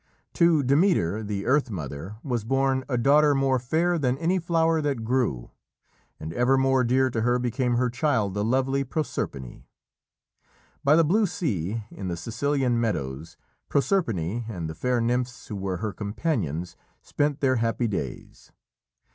To Demeter, the Earth Mother, was born a daughter more fair than any flower that grew, and ever more dear to her became her child, the lovely Proserpine. By the blue sea, in the Sicilian meadows, Proserpine and the fair nymphs who were her companions spent their happy days.